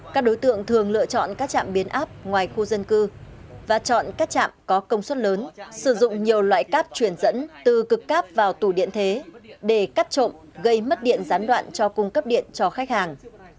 các đối tượng thường lựa chọn các trạm biến áp ngoài khu dân cư và chọn các trạm có công suất lớn sử dụng nhiều loại cáp truyền dẫn từ cực cáp vào tủ điện thế để cắt trộm gây mất điện gián đoạn cho cung cấp điện cho khách hàng